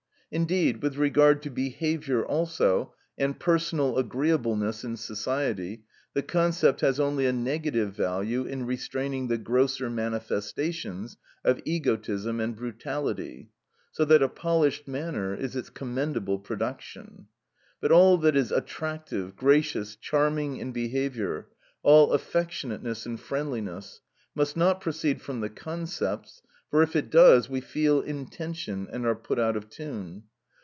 Indeed, with regard to behaviour also, and personal agreeableness in society, the concept has only a negative value in restraining the grosser manifestations of egotism and brutality; so that a polished manner is its commendable production. But all that is attractive, gracious, charming in behaviour, all affectionateness and friendliness, must not proceed from the concepts, for if it does, "we feel intention, and are put out of tune."